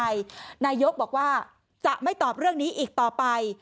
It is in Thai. นายกบอกว่าจะไม่ตอบเรื่องนี้อีกต่อไป